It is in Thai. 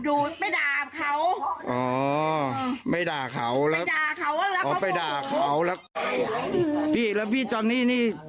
ดูดไปด่าเขาอ๋อไม่ด่าเขาแล้วด่าเขาแล้วเขาไปด่าเขาแล้วพี่แล้วพี่ตอนนี้นี่